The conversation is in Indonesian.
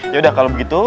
ya udah kalau begitu